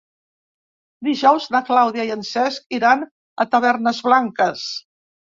Dijous na Clàudia i en Cesc iran a Tavernes Blanques.